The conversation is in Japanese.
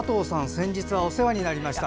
先日はお世話になりました。